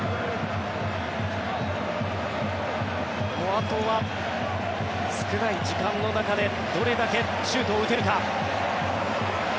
あとは少ない時間の中でどれだけシュートを打てるか。